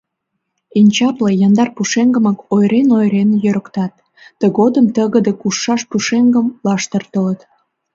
Эн чапле, яндар пушеҥгымак ойырен-ойырен йӧрыктат, тыгодым тыгыде, кушшаш пушеҥгым лаштыртылыт.